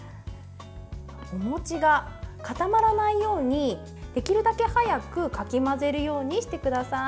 お餅が固まらないようにできるだけ早くかき混ぜるようにしてください。